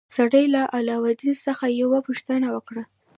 سړي له علاوالدین څخه یوه پوښتنه وکړه.